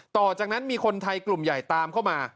ต่อจากนั้นมีคนไทยกลุ่มใหญ่ตามเข้ามา